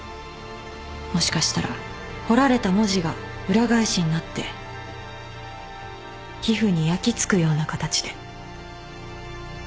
もしかしたら彫られた文字が裏返しになって皮膚に焼き付くような形で。